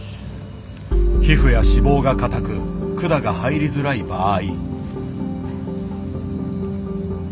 皮膚や脂肪が硬く管が入りづらい場合。